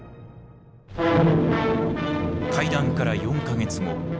会談から４か月後。